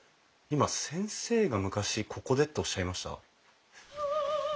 今先生が昔ここでっておっしゃいました？